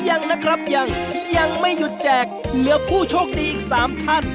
ยังนะครับยังยังไม่หยุดแจกเหลือผู้โชคดีอีก๓ท่าน